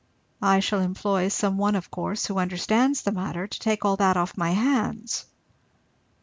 I shall employ some one of course, who understands the matter, to take all that off my hands."